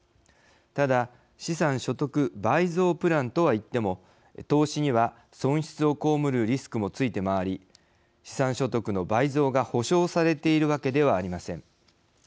ただ、資産所得倍増プランとは言っても、投資には損失を被るリスクもついて回り資産所得の倍増が保証されているわけではありません。